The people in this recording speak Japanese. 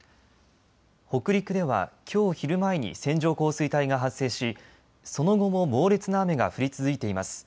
北陸ではきょう昼前に線状降水帯が発生しその後も猛烈な雨が降り続いています。